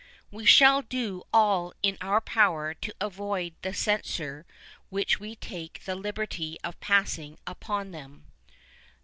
We shall do all in our power to avoid the censure which we take the liberty of passing upon them.